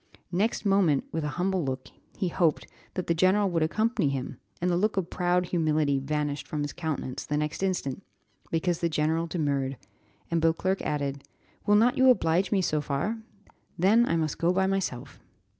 Next moment, with a humble look, he hoped that the general would accompany him, and the look of proud humility vanished from his countenance the next instant, because the general demurred, and Beauclerc added, "Will not you oblige me so far? Then I must go by myself."